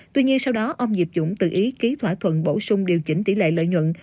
tuy nhiên sau đó ông diệp dũng tự ý ký thỏa thuận bổ sung điều chỉnh tỷ lệ lợi nhuận